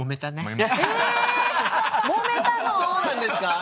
そうなんですか？